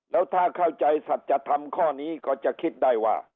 แล้วถ้าเข้าใจสัจธรรมข้อนี้ก็จะคิดได้ว่า